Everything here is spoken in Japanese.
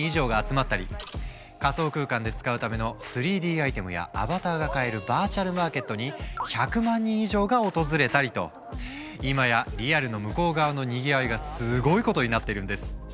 仮想空間で使うための３Ｄアイテムやアバターが買えるバーチャルマーケットにいまやリアルの向こう側のにぎわいがすごいことになっているんです。